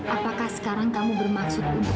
apakah sekarang kamu bermaksud untuk